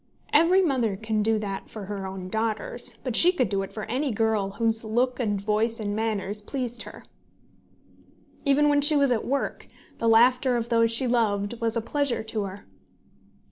Every mother can do that for her own daughters; but she could do it for any girl whose look, and voice, and manners pleased her. Even when she was at work, the laughter of those she loved was a pleasure to her.